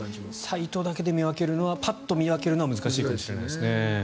サイトだけでパッと見分けるのは難しいかもしれないですね。